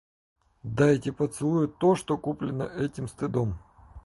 Да, эти поцелуи — то, что куплено этим стыдом.